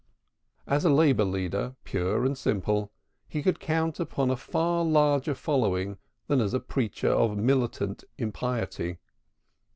As a labor leader, pure and simple, he could count upon a far larger following than as a preacher of militant impiety.